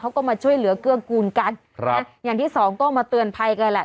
เขาก็มาช่วยเหลือเกื้อกูลกันครับอย่างที่สองก็มาเตือนภัยกันแหละ